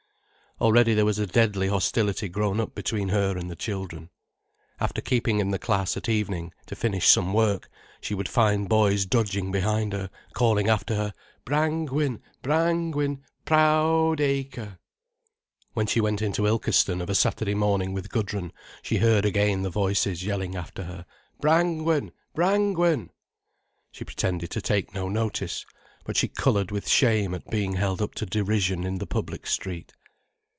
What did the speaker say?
Already there was a deadly hostility grown up between her and the children. After keeping in the class, at evening, to finish some work, she would find boys dodging behind her, calling after her: "Brangwen, Brangwen—Proud acre." When she went into Ilkeston of a Saturday morning with Gudrun, she heard again the voices yelling after her: "Brangwen, Brangwen." She pretended to take no notice, but she coloured with shame at being held up to derision in the public street.